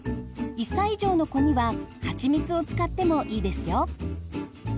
１歳以上の子には蜂蜜を使ってもいいですよ。